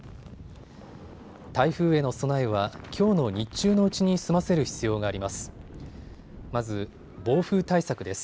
台風への備えはきょうの日中のうちに済ませる必要があります。